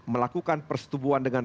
melakukan persetubuhan dengan